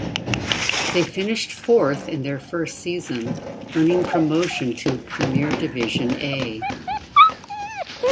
They finished fourth in their first season, earning promotion to Premier Division A.